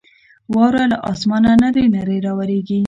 واوره له اسمانه نرۍ نرۍ راورېږي.